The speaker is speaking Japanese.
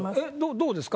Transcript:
どうですか？